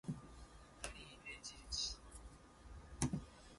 Much of the range's geology was described by the geologist John T. Dillon.